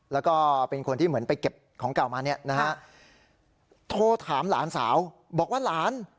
แล้วก็เป็นคนที่เหมือนไปเก็บของเก่ามาเนี่ยนะฮะโทรถามหลานสาวบอกว่าหลาน